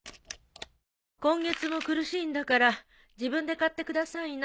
今月も苦しいんだから自分で買ってくださいな。